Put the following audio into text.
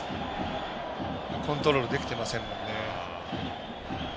コントロールできてませんもんね。